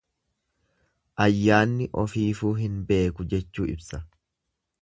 Ayyaanni ofiifuu hin beeku jechuu ibsa.